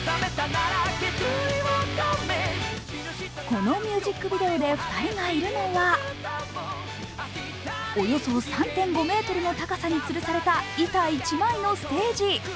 このミュージックビデオで２人がいるのは、およそ３．５ｍの高さにつるされた板１枚のステージ。